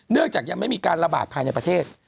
เนื่องจากยังไม่มีการระบาดไทยในประเทศ